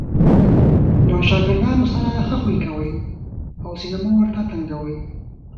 له ښاګردانو سره ښه خوي کوئ! او سینه مه ور ته تنګوئ!